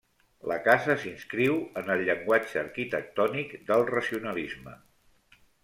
La casa s'inscriu en el llenguatge arquitectònic del racionalisme.